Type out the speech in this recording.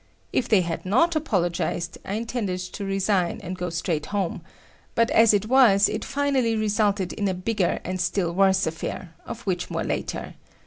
If they had not apologized, I intended to resign and go straight home, but as it was it finally resulted in a bigger and still worse affair, of which more later.